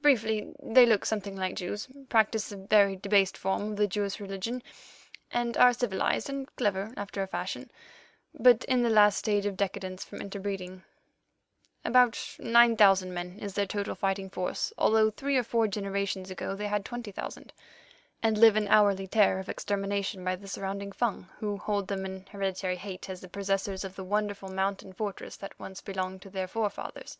Briefly, they look something like Jews, practise a very debased form of the Jewish religion, are civilized and clever after a fashion, but in the last stage of decadence from interbreeding—about nine thousand men is their total fighting force, although three or four generations ago they had twenty thousand—and live in hourly terror of extermination by the surrounding Fung, who hold them in hereditary hate as the possessors of the wonderful mountain fortress that once belonged to their forefathers."